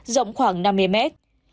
rộng khoảng năm mươi mét